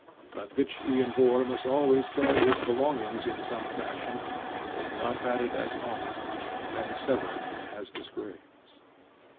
But Vich Ian Vohr must always carry his belongings in some fashion, if not added as honor, then severed as disgrace.